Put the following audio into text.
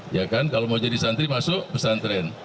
ya kan kalau mau jadi santri masuk pesantren